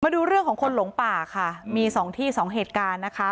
ดูเรื่องของคนหลงป่าค่ะมีสองที่สองเหตุการณ์นะคะ